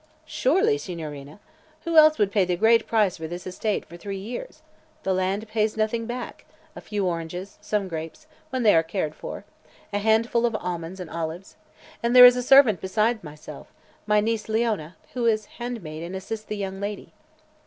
"Surely, Signorina. Who else would pay the great price for this estate for three years? The land pays nothing back a few oranges; some grapes, when they are cared for; a handful of almonds and olives. And there is a servant besides myself, my niece Leona, who is housemaid and assists the young lady."